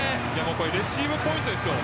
レシーブポイントですよ。